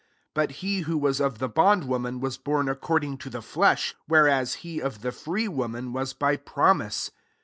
23 But he who was of the bond woman, was bom according to the flesh ; whereas he of the free woman was by promise.